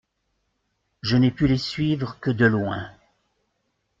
Je n'ai pu les suivre que de loin.